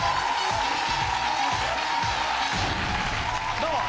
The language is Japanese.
どうも。